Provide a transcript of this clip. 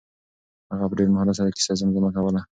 هغه په ډېر مهارت سره کیسه زمزمه کوله.